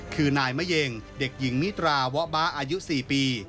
คือนายมะเย็งเด็กหญิงมิตราวะบ๊ะอายุ๔ปี